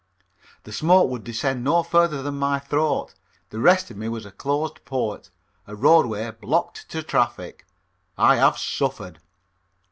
The smoke would descend no further than my throat. The rest of me was a closed port, a roadway blocked to traffic. I have suffered.